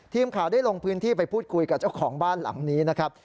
ทีมข่าวได้ลงพื้นที่ไปพูดคุยกับเจ้าของบ้านหลังนี้นะครับ